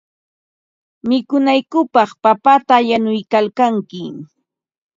Mikunankupaq papata yanuykalkanki.